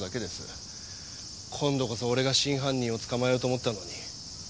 今度こそ俺が真犯人を捕まえようと思ったのに。